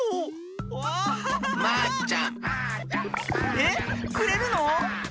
ええ？くれるの？